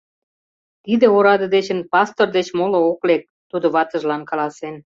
— Тиде ораде дечын пастор деч моло ок лек, — тудо ватыжлан каласен.